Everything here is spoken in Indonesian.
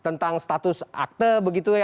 tentang status akte begitu ya